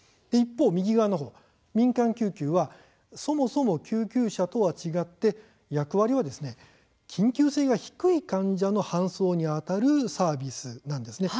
一方、右側のほうの民間救急はそもそも救急車とは違って役割は緊急性が低い患者の搬送にあたるサービスなんです。